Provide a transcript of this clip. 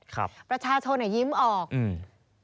ครับประชาชนอ่ะยิ้มออกอืม